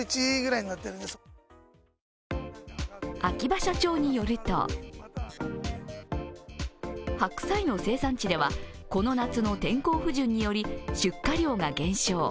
秋葉社長によると白菜の生産地ではこの夏の天候不順により出荷量が減少。